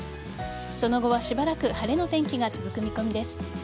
その後はしばらく晴れの天気が続く見込みです。